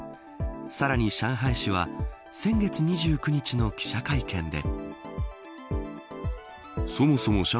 さらに上海市は先月２９日の記者会見で。